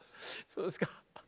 そうですか。